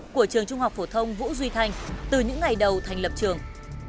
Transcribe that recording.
của trường trung học phổ thông vũ duy thanh từ những ngày đầu thành lập trường